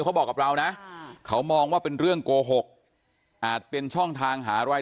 เขาบอกกับเรานะเขามองว่าเป็นเรื่องโกหกอาจเป็นช่องทางหาราย